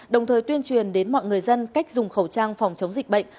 đồng thời tuyên truyền đến mọi người dân cách dùng khẩu trang phòng chống dịch bệnh